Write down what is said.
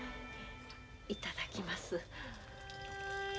いただきます。